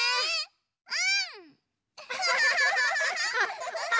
うん！